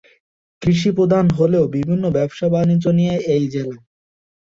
কৃষি প্রধান হলেও বিভিন্ন ব্যবসা-বাণিজ্য নিয়ে এই জেলা।